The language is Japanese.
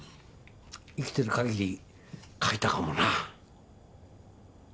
生きてる限り書いたかもな。